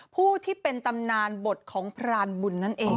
ผู้ที่เป็นตำนานบทของพรานบุญนั่นเอง